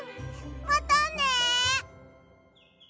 またね！